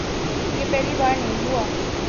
یہ پہلی بار نہیں ہوا۔